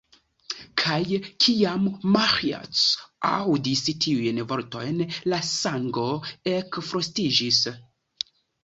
Kaj, kiam Maĥiac aŭdis tiujn vortojn, la sango ekfrostiĝis.